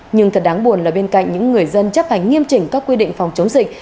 nhưng thật đáng buồn là bên cạnh những người dân chấp hành nghiêm chỉnh các quy định phòng chống dịch